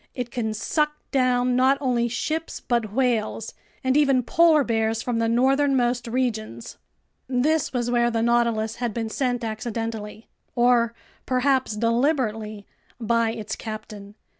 It can suck down not only ships but whales, and even polar bears from the northernmost regions. This was where the Nautilus had been sent accidentally—or perhaps deliberately—by its captain.